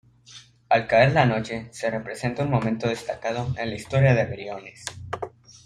Al caer la noche se representa un momento destacado en la historia de Briones.